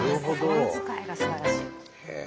心遣いがすばらしい。